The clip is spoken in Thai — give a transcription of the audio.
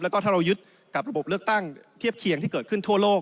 แล้วก็ถ้าเรายึดกับระบบเลือกตั้งเทียบเคียงที่เกิดขึ้นทั่วโลก